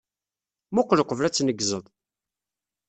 Mmuqqel uqbel ad tneggzeḍ.